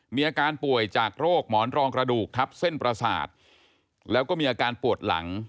มีอาการป่วยจากโรคหมอนรองกระดูกทับเส้นประสาทแล้วก็มีอาการปวดหลัง